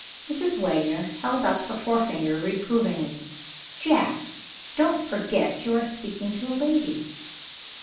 Mrs. Wagner held up her forefinger reprovingly. "Jack! don't forget you are speaking to a lady."